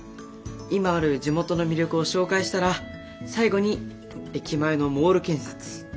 今ある地元の魅力を紹介したら最後に駅前のモール建設。